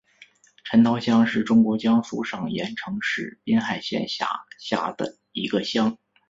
陈涛乡是中国江苏省盐城市滨海县下辖的一个乡。